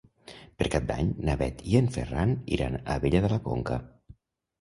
Per Cap d'Any na Bet i en Ferran iran a Abella de la Conca.